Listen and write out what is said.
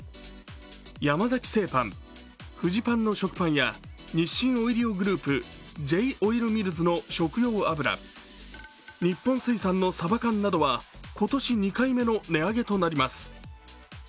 山崎製パン、フジパンの食パンや、日清オイリオグループ、Ｊ−オイルミルズの食用油日本水産のサバ缶などは今年２回目の値上げとなります。